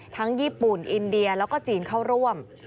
ทั้งญี่ปุ่นอินเดียจีนเข้าร่วม